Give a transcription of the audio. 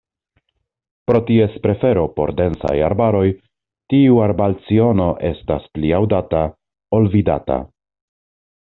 Pro ties prefero por densaj arbaroj, tiu arbalciono estas pli aŭdata ol vidata.